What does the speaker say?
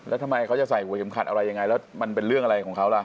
แล้วทำไมเขาจะใส่หัวเข็มขัดอะไรยังไงแล้วมันเป็นเรื่องอะไรของเขาล่ะ